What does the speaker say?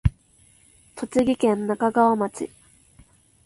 栃木県那珂川町